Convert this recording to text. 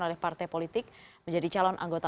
oleh partai politik menjadi calon anggota